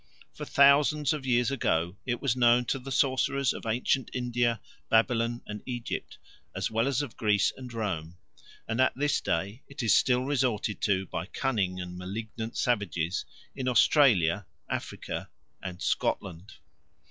For thousands of years ago it was known to the sorcerers of ancient India, Babylon, and Egypt, as well as of Greece and Rome, and at this day it is still resorted to by cunning and malignant savages in Australia, Africa, and Scotland.